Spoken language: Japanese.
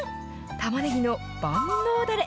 たまねぎの万能だれ。